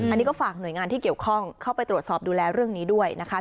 อันนี้ก็ฝากหน่วยงานที่เกี่ยวข้องเข้าไปตรวจสอบดูแลเรื่องนี้ด้วยนะคะ